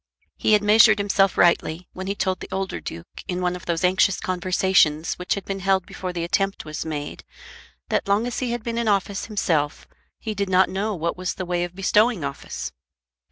He had measured himself rightly when he told the older duke in one of those anxious conversations which had been held before the attempt was made, that long as he had been in office himself he did not know what was the way of bestowing office.